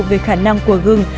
về khả năng của gừng